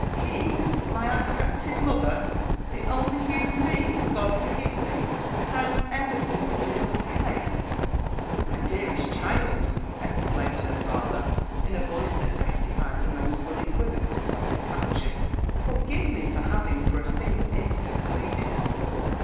He my accepted lover! The only human being — God forgive me !— that I was ever sinful enough to hate." '* My dearest child !" exclaimed her father in a voice that testified the most unequivocal satisfaction, ''forgive me for having for a single instant believed it possible.